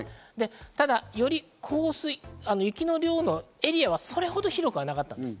ただ、より雪の量のエリアはそれほど広くはなかったんです。